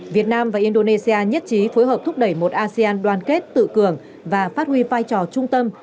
việt nam và indonesia nhất trí phối hợp thúc đẩy một asean đoàn kết tự cường và phát huy vai trò trung tâm